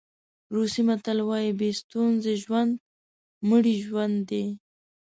روسي متل وایي بې ستونزې ژوند مړی ژوند دی.